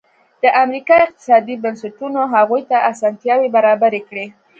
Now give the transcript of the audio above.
د امریکا اقتصادي بنسټونو هغوی ته اسانتیاوې برابرې کړې.